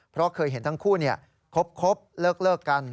เพราะเคยเห็นทั้งคู่คบเลิกกัน